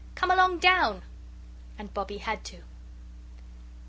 Come along down." And Bobbie had to.